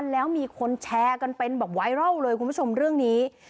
แล้วมีคนแชร์กันเป็นแบบไวรัลเลยคุณผู้ชมเรื่องนี้